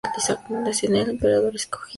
A continuación el emperador escogía.